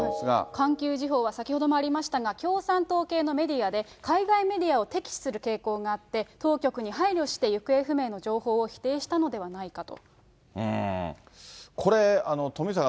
環球時報は先ほどもありましたが、共産党系のメディアで、海外メディアを敵視する傾向があって、当局に配慮して行方不明の情報を否定したのではないかと。